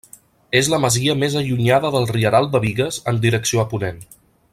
És la masia més allunyada del Rieral de Bigues en direcció a ponent.